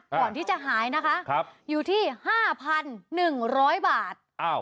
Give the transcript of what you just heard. ก่อนที่จะหายนะคะอยู่ที่๕๑๐๐บาท